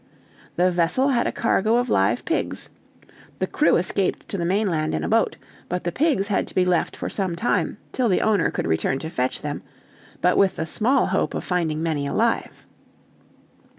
"The vessel had a cargo of live pigs. The crew escaped to the mainland in a boat, but the pigs had to be left for some time, till the owner could return to fetch them, but with the small hope of finding many left alive.